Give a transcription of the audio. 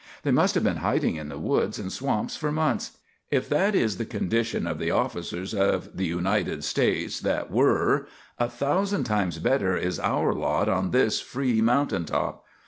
They must have been hiding in the woods and swamps for months. If that is the condition of the officers of the United States that were, a thousand times better is our lot on this free mountain top."